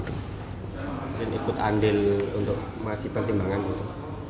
dan ikut andil untuk masih pertimbangan itu